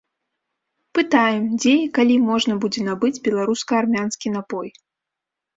Пытаем, дзе і калі можна будзе набыць беларуска-армянскі напой.